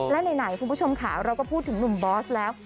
และไหนคุณผู้ชมค่ะเราก็พูดถึงหนุ่มบอสแล้ว